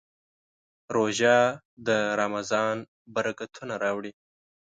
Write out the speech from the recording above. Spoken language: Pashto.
روژه د رمضان برکتونه راوړي.